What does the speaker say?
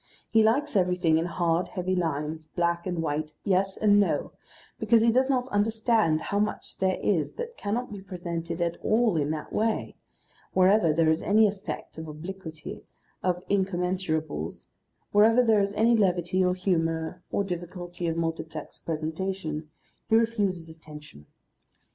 He likes everything in hard, heavy lines, black and white, yes and no, because he does not understand how much there is that cannot be presented at all in that way; wherever there is any effect of obliquity, of incommensurables, wherever there is any levity or humour or difficulty of multiplex presentation, he refuses attention.